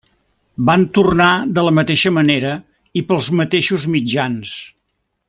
Van tornar de la mateixa manera i pels mateixos mitjans.